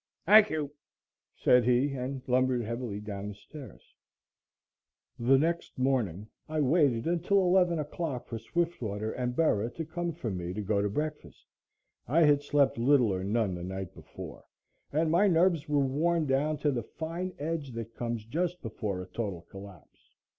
"Thank you," said he, and lumbered heavily down the stairs. The next morning I waited until 11 o'clock for Swiftwater and Bera to come for me to go to breakfast. I had slept little or none the night before and my nerves were worn down to the fine edge that comes just before a total collapse.